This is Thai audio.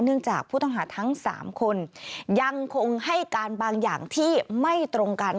จากผู้ต้องหาทั้ง๓คนยังคงให้การบางอย่างที่ไม่ตรงกัน